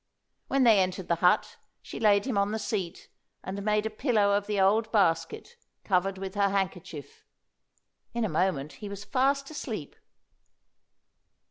When they entered the hut she laid him on the seat, and made a pillow of the old basket, covered with her handkerchief. In a moment he was fast asleep.